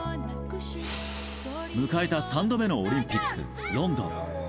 迎えた３度目のオリンピックロンドン。